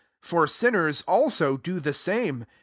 »r ifinners, also, do the same.